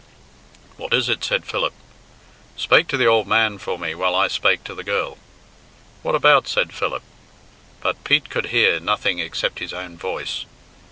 "What is it?" said Philip. "Spake to the ould man for me while I spake to the girl!" "What about?" said Philip. But Pete could hear, nothing except his own voice.